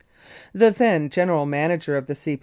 The then General Manager of the C.